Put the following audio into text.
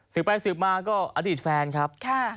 สืบไปสืบมาก็อดีตแฟนครับ